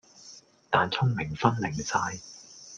但聰明分零晒